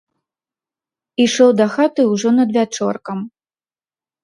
Ішоў дахаты ўжо надвячоркам.